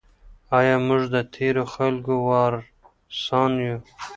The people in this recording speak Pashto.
آیا موږ د تیرو خلګو وارثان یو؟